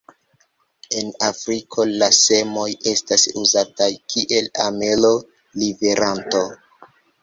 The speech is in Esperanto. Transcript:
En Afriko la semoj estas uzataj kiel amelo-liveranto.